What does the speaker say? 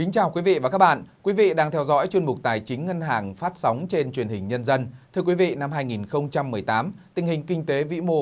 các bạn hãy đăng ký kênh để ủng hộ kênh của chúng mình nhé